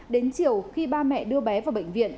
đến chiều khi ba mẹ đưa bé vào bệnh viện